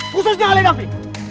khususnya ale dhanfi